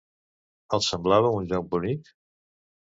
Els semblava un lloc bonic?